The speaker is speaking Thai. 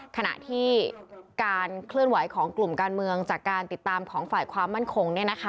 ขณะที่การเคลื่อนไหวของกลุ่มการเมืองจากการติดตามของฝ่ายความมั่นคง